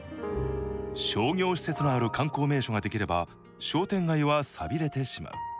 商業施設のある観光名所が出来れば、商店街はさびれてしまう。